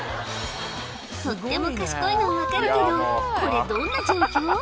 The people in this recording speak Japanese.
とっても賢いのは分かるけどこれどんな状況？